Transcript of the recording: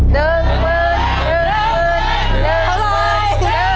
สักท่องเท่าไร